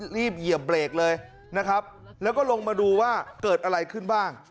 เหยียบเบรกเลยนะครับแล้วก็ลงมาดูว่าเกิดอะไรขึ้นบ้าง